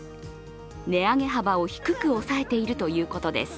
値上げ幅を低く抑えているということです。